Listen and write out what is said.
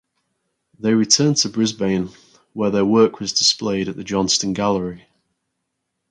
They returned to Brisbane where their work was displayed at the Johnstone Gallery.